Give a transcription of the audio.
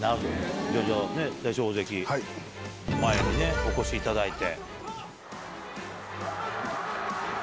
大翔鵬関前にお越しいただいて。